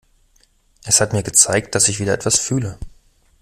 Es hat mir gezeigt, dass ich wieder etwas fühle.